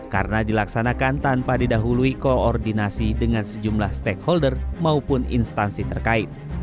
karena dilaksanakan tanpa didahului koordinasi dengan sejumlah stakeholder maupun instansi terkait